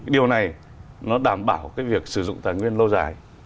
điều này nó đảm bảo cái việc sử dụng tài nguyên lâu dài